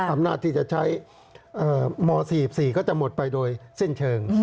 อำนาจที่จะใช้ม๔๔ก็จะหมดไปโดยสิ้นเชิง